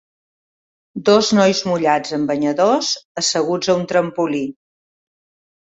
Dos nois mullats amb banyadors asseguts a un trampolí